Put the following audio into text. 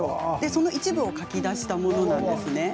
その一部を書き出したものなんですね。